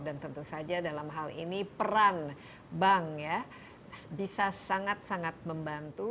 dan tentu saja dalam hal ini peran bank ya bisa sangat sangat membantu